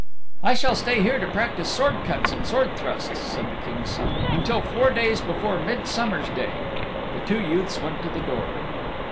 "I shall stay here to practise sword cuts and sword thrusts," said the King's Son, "until four days before Midsummer's Day." The two youths went to the door.